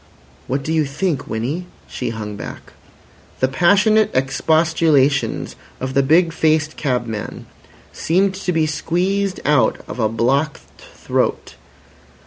"What do you think, Winnie?" She hung back. The passionate expostulations of the big faced cabman seemed to be squeezed out of a blocked throat.